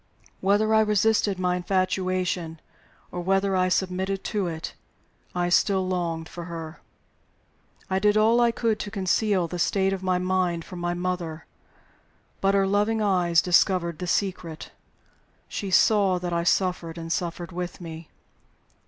Whether I resisted my infatuation, or whether I submitted to it, I still longed for her. I did all I could to conceal the state of my mind from my mother. But her loving eyes discovered the secret: she saw that I suffered, and suffered with me.